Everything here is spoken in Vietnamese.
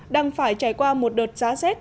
đang phải trải qua một đợt giá xét